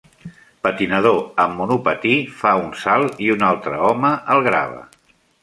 Patinador amb monopatí fa un salt i un altre home el grava.